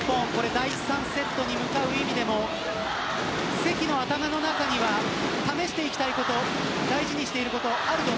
第３セットに向かう意味でも関の頭の中には試していきたいこと大事にしていること